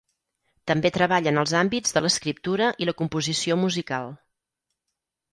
També treballa en els àmbits de l’escriptura i la composició musical.